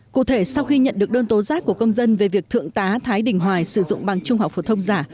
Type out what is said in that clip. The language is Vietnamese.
cụ thể sau khi nhận được đơn tố giác của công dân về việc thượng tá thái đình hoài sử dụng bằng trung học phổ thông giả